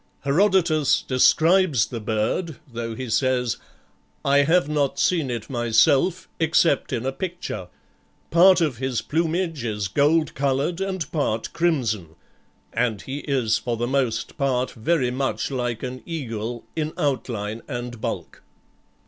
Herodotus DESCRIBES the bird, though he says, "I have not seen it myself, except in a picture. Part of his plumage is gold colored, and part crimson; and he is for the most part very much like an eagle in outline and bulk."